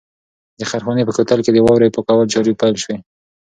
د خیرخانې په کوتل کې د واورې پاکولو چارې پیل شوې.